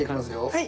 はい。